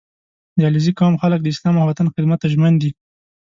• د علیزي قوم خلک د اسلام او وطن خدمت ته ژمن دي.